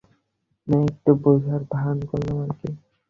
না একটু বুঝার ভান করলাম আরকি।